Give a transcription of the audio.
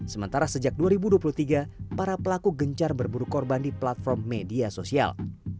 sementara sejak dua ribu dua puluh tiga para pelaku gencar berburu korban di platform media sosial